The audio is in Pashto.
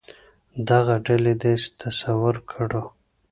دغه ډلې داسې تصور کړو.